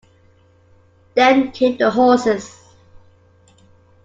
Then came the horses.